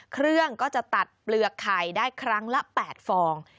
เครื่องก็จะตัดเปลือกไข่ได้ครั้งละ๘ฟอง